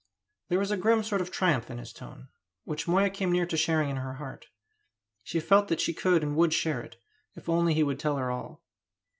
There was a grim sort of triumph in his tone, which Moya came near to sharing in her heart. She felt that she could and would share it, if only he would tell her all.